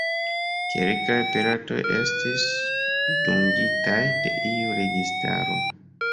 Kelkaj piratoj estis dungitaj de iu registaro.